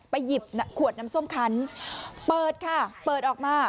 หยิบขวดน้ำส้มคันเปิดค่ะเปิดออกมา